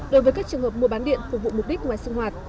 đối với các trường hợp mua bán điện phục vụ mục đích ngoài sinh hoạt